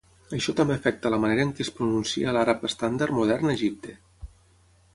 Això també afecta la manera en què es pronuncia l'àrab estàndard modern a Egipte.